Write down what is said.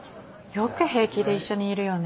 よく平気で一緒にいるよね